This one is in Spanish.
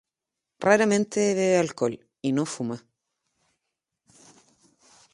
Raramente bebe alcohol y no fuma.